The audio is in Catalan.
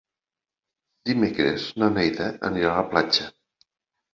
Dimecres na Neida anirà a la platja.